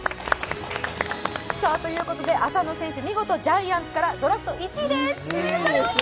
ということで浅野選手、見事ジャイアンツからドラフト１位で指名されました。